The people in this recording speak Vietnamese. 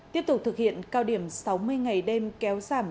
tiếp tục thực hiện cao điểm sáu mươi ngày đêm kéo giảm